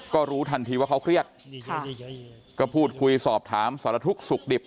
ก็รู้ทันทีว่าเขาเครียดก็พูดคุยสอบถามสารทุกข์สุขดิบ